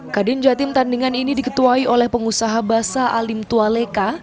kadin jatim tandingan ini diketuai oleh pengusaha basa alim tualeka